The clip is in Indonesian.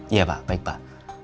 iya pak baik pak